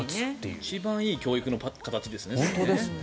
一番いい教育の形ですね。